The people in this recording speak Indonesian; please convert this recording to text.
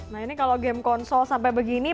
nah ini kalau game konsol sampai begini